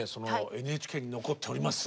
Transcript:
ＮＨＫに残っております